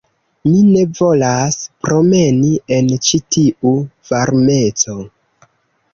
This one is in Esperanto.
Mi ne volas promeni en ĉi tiu varmeco